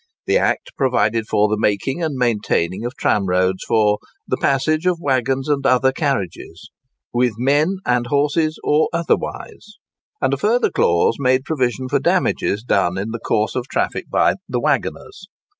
The Act provided for the making and maintaining of tramroads for the passage "of waggons and other carriages" "with men and horses or otherwise," and a further clause made provision for damages done in course of traffic by the "waggoners."